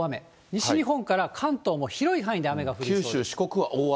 西日本から関東も広い範囲で雨が降ります。